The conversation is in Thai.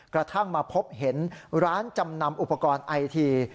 กระทั่งมาพบเห็นร้านจำนำอุปกรณ์ไอที